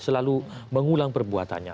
selalu mengulang perbuatannya